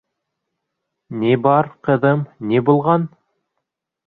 - Ни бар, ҡыҙым, ни булған?